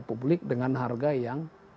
publik dengan harga yang